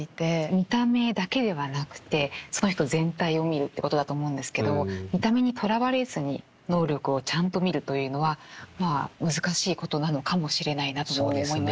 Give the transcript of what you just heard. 見た目だけではなくてその人全体を見るってことだと思うんですけど見た目にとらわれずに能力をちゃんと見るというのはまあ難しいことなのかもしれないなともそう思いました。